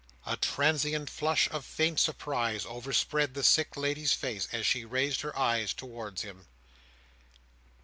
A transient flush of faint surprise overspread the sick lady's face as she raised her eyes towards him.